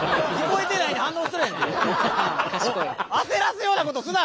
焦らすようなことすな！